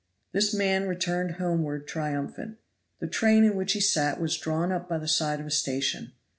This man returned homeward triumphant. The train in which he sat was drawn up by the side of a station.